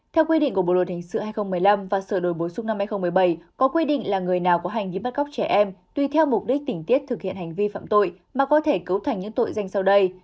theo quy định của bộ luật hành sự hai nghìn một mươi năm và sở đổi bối xúc năm hai nghìn một mươi bảy có quy định là người nào có hành vi bắt cóc trẻ em tùy theo mục đích tình tiết thực hiện hành vi phạm tội mà có thể cấu thành những tội danh sau đây